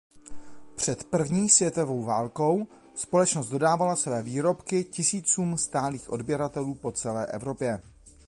Před první světovou válkou společnost dodávala své výrobky tisícům stálých odběratelů po celé Evropě.